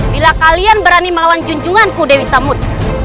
bila kalian berani melawan junjunganku dewi samud